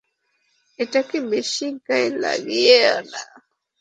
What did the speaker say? এটাকে বেশি গায়ে লাগিয়ো না।